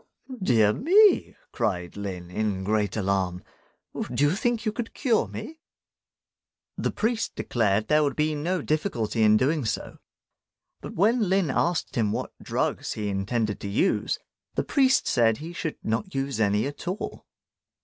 "Dear me!" cried Lin, in great alarm, "do you think you could cure me?" The priest declared there would be no difficulty in doing so; but when Lin asked him what drugs he intended to use, the priest said he should not use any at all.